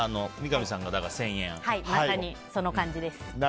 まさにその感じです。